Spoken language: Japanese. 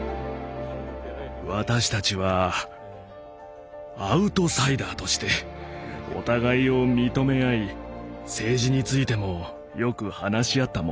私たちはアウトサイダーとしてお互いを認め合い政治についてもよく話し合ったものでした。